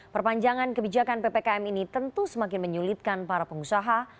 perpanjangan kebijakan ppkm ini tentu semakin menyulitkan para pengusaha